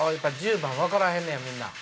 １０番分からへんねやみんな。